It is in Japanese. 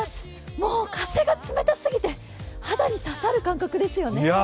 もう風が冷たすぎて肌に刺さる感覚ですよね。